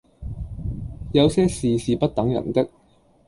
有些事是不等人的